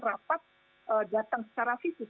rapat datang secara fisik